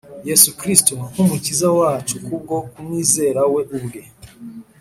Yesu Kristo, nk'Umukiza wacu ku bwo kumwizera we ubwe